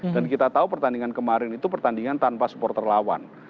dan kita tahu pertandingan kemarin itu pertandingan tanpa supporter lawan